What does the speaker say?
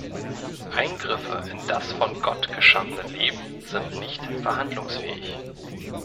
Eingriffe in das von Gott geschaffene Leben sind nicht verhandlungsfähig.